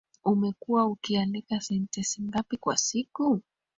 Umekuwa ukiandika sentensi ngapi kwa siku